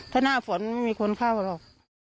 ถ้าหน้าฝนไม่มีคนเข้าหรอก